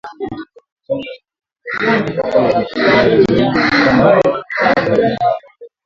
mteja hutaka kujua bidhaa anayoinunua kama inakidhi mahitaji yake